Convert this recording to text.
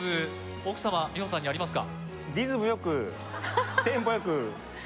奥様美穂さんにありますか？